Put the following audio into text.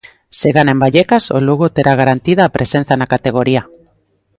Se gana en Vallecas, o Lugo terá garantida a presenza na categoría.